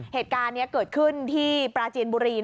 เหตุการณ์นี้เกิดขึ้นที่ปราจีนบุรี